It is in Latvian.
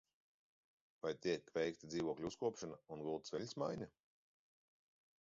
Vai tiek veikta dzīvokļu uzkopšana un gultas veļas maiņa?